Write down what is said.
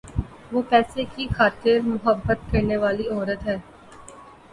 وہ پیسے کی خاطر مُحبت کرنے والی عورت ہے۔`